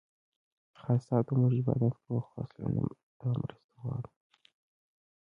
خاص تاته مونږ عبادت کوو، او خاص له نه مرسته غواړو